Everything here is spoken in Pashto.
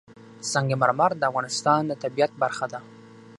سنگ مرمر د افغانستان د طبیعت برخه ده.